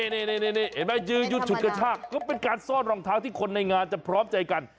นี่เห็นไหมยื้อยุดฉุดกระชากก็เป็นการซ่อนรองเท้าที่คนในงานจะพร้อมใจกัน